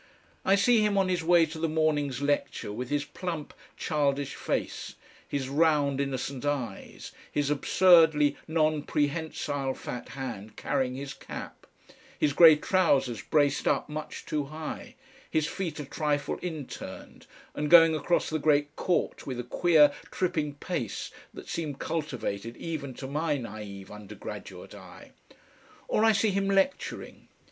I see him on his way to the morning's lecture, with his plump childish face, his round innocent eyes, his absurdly non prehensile fat hand carrying his cap, his grey trousers braced up much too high, his feet a trifle inturned, and going across the great court with a queer tripping pace that seemed cultivated even to my naive undergraduate eye. Or I see him lecturing.